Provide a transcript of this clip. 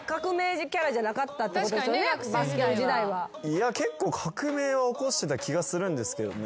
いや結構革命は起こしてた気がするんですけどね。